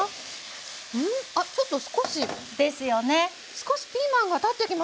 少しピーマンが立ってきましたね。